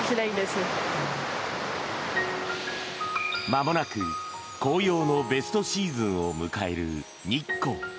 まもなく紅葉のベストシーズンを迎える日光。